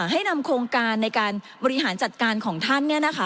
ให้นำโครงการในการบริหารจัดการของท่าน